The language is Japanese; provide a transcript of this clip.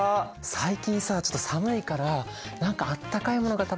最近さちょっと寒いから何かあったかいものが食べたいな。